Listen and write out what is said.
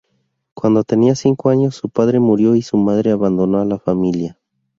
Cuando tenía cinco años, su padre murió y su madre abandonó a la familia.